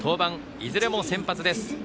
いずれも先発です。